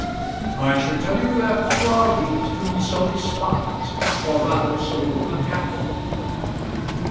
"I should tell you that you are weak to be so despondent, or rather so unhappy."